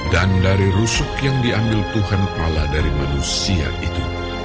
dari rusuk yang diambil tuhan pala dari manusia itu